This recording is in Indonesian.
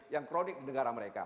yang kronik di negara mereka